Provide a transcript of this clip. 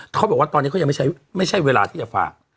เขาบอกว่าตอนนี้เขายังไม่ใช้ไม่ใช่เวลาที่จะฝาก